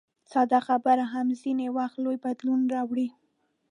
ساده خبره هم ځینې وخت لوی بدلون راولي.